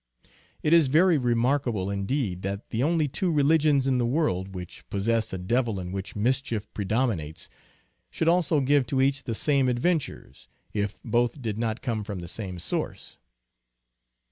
It is very remarkable indeed that the only two religions in the world which possess a devil in whom mischief predominates should also give to each the same adventures, if both did not come from the same source.